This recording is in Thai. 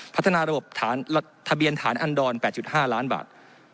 พัฒนาระบบทะเบียนฐานอันดร๘๕ล้านบาท